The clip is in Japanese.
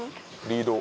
リード？